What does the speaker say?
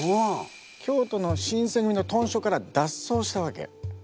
京都の新選組の屯所から脱走したわけ。